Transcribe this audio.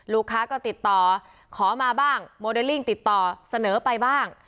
ลูกค้าก็ติดต่อขอมาบ้างโมเดลลิ่งติดต่อเสนอไปบ้าง